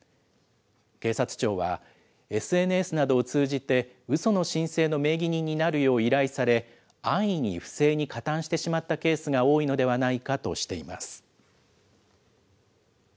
警察庁は、ＳＮＳなどを通じて、うその申請の名義人になるよう依頼され、安易に不正に加担してしまったケースが多いのではないかとしています。